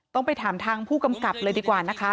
ต้องไปถามทางผู้กำกับเลยดีกว่านะคะ